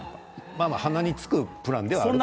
鼻につくプランですね。